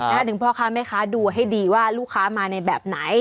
ถึงพ่อค้าแม่ค้าดูให้ดีว่าลูกค้ามาในแบบไหน